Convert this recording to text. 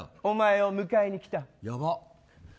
お前を迎えに来た。